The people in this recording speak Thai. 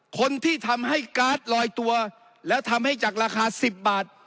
คนที่ทำให้การ์ดลอยตัวแล้วทำให้จากราคา๑๐บาท